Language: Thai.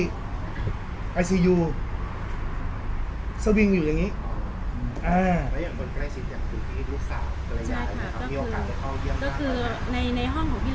หมอจะติดป้ายไว้เลยว่าห้องปอดเชื้อก็คือเราเข้าไปไม่ได้